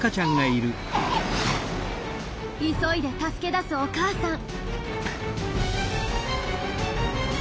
急いで助け出すお母さん。